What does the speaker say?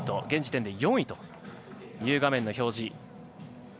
現時点で４位という画面の表示。